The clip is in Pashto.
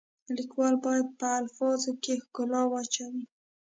لیکوال باید په الفاظو کې ښکلا واچوي.